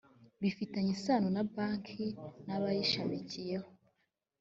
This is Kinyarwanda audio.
bifitanye isano na banki n’abayishamikiyeho